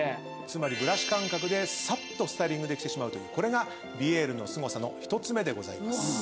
つまりブラシ感覚でさっとスタイリングできてしまうというこれがヴィエールのすごさの１つ目でございます。